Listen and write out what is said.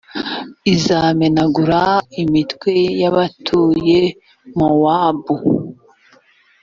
izamenagura imitwe y’abatuye mowabu.